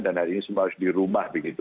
dan hari ini semua harus di rumah begitu